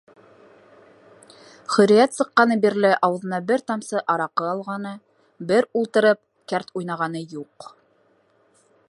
Хөрриәт сыҡҡаны бирле ауыҙына бер тамсы араҡы алғаны, бер ултырып кәрт уйнағаны юҡ.